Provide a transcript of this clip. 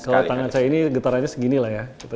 kalau tangan saya ini getarannya segini lah ya